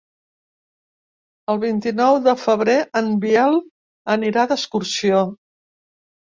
El vint-i-nou de febrer en Biel anirà d'excursió.